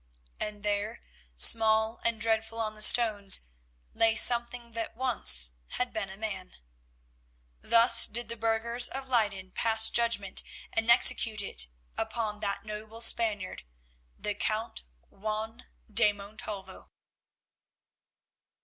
And there, small and dreadful on the stones, lay something that once had been a man. Thus did the burghers of Leyden pass judgment and execute it upon that noble Spaniard, the Count Juan de Montalvo.